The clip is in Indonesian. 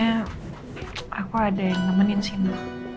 akhirnya aku ada yang nemenin sina